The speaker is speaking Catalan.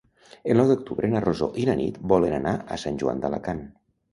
El nou d'octubre na Rosó i na Nit volen anar a Sant Joan d'Alacant.